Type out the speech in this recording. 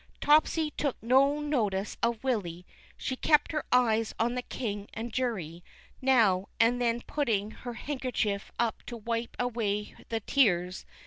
'' Topsy took no notice of Willy. She kept her eyes on the King and Jury, now and then putting her handkerchief up to wipe away the tears.